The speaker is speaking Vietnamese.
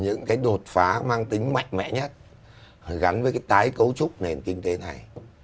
những cái đột phá mang tính mạnh mẽ nhất gắn với cái tái cấu trúc nền kinh tế này